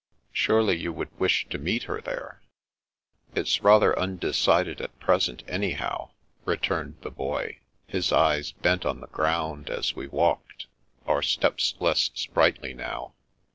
" Surely you would wish to meet her there? "'* It's rather undecided at present, anyhow," re turned the Boy, his eyes bent on the ground as we walked, our steps less sprightly now.